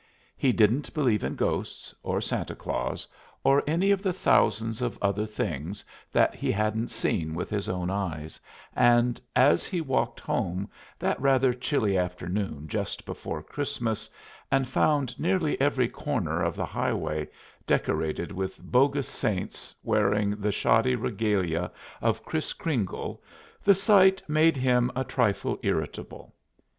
He didn't believe in ghosts, or Santa Claus, or any of the thousands of other things that he hadn't seen with his own eyes, and as he walked home that rather chilly afternoon just before Christmas and found nearly every corner of the highway decorated with bogus Saints, wearing the shoddy regalia of Kris Kringle, the sight made him a trifle irritable.